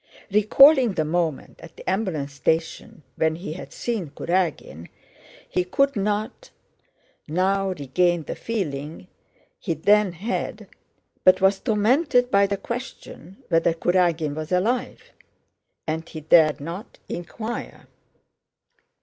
Recalling the moment at the ambulance station when he had seen Kurágin, he could not now regain the feeling he then had, but was tormented by the question whether Kurágin was alive. And he dared not inquire.